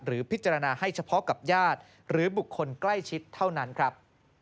พิจารณาให้เฉพาะกับญาติหรือบุคคลใกล้ชิดเท่านั้นครับ